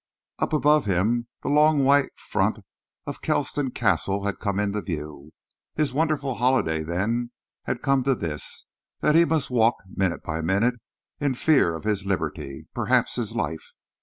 Up above him, the long white front of Kelsoton Castle had come into view. His wonderful holiday, then, had come to this that he must walk, minute by minute, in fear of his liberty, perhaps his life.